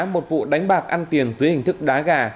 một vụ đánh bạc ăn tiền dưới hình thức đá gà